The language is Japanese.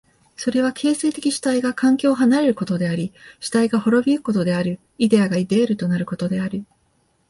それは形成的主体が環境を離れることであり主体が亡び行くことである、イデヤがイデールとなることである。